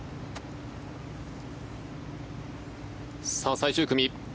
最終組